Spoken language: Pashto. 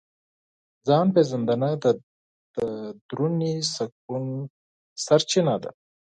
ځان پېژندنه د دروني سکون سرچینه ده.